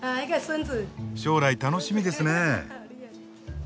将来楽しみですね。